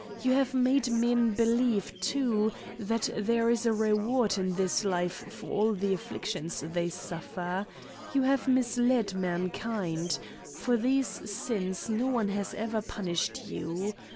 You have made men believe, too, that there is a reward in this life for all the afflictions they suffer. You have misled mankind. For these sins no one has ever punished you.